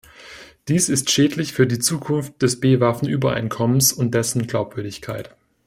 Dies ist schädlich für die Zukunft des B-Waffen-Übereinkommens und dessen Glaubwürdigkeit.